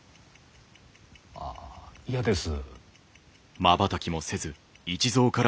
あ嫌です。